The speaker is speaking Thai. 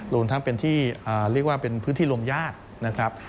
รวมทั้งเป็นที่เรียกว่าเป็นพื้นที่ลมญาตินะครับ